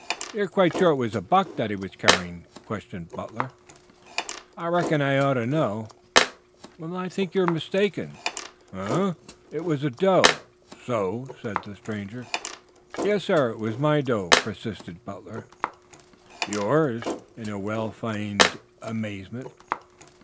"You are quite sure it was a buck that he was carrying?" questioned Butler. "I reckon I ought to know." "I think you are mistaken." "Eh?" "It was a doe." "So?" "Yes, sir. It was my doe," persisted Butler. "Yours?" in well feigned amazement.